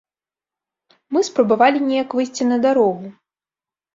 Мы спрабавалі неяк выйсці на дарогу.